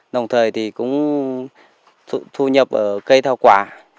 đồng thời thì cũng thu nhập ở cây thảo quả